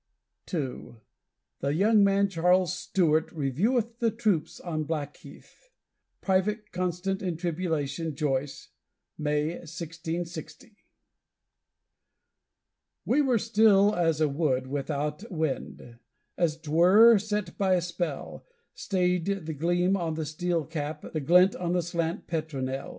II THE YOUNG MAN CHARLES STUART REVIEWETH THE TROOPS ON BLACKHEATH (Private Constant in Tribulation Joyce, May, 1660) We were still as a wood without wind; as 't were set by a spell Stayed the gleam on the steel cap, the glint on the slant petronel.